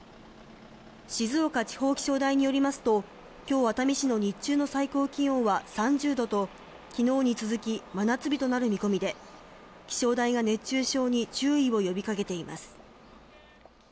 静岡地方気象台によりますと、今日、熱海市の日中の最高気温は３０度と昨日に続き、真夏日となる見込みで、気象台が熱中症に注意を呼びかけています。